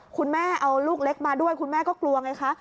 คุณแม่เอาลูกเล็กมาด้วยคุณแม่ก็กลัวไงคะ